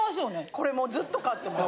これもうずっと買ってます。